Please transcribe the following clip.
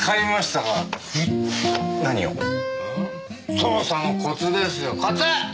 捜査のコツですよコツ！